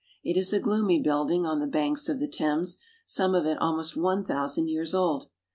It is a gloomy building on the banks of the Thames, some of it almost one thousand years old.